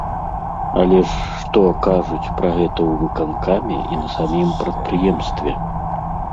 Але ж што кажуць пра гэта ў выканкаме і на самім прадпрыемстве?